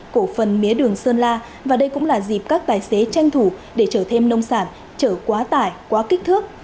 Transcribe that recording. cổ phần mía đường sơn la và đây cũng là dịp các tài xế tranh thủ để chở thêm nông sản chở quá tải quá kích thước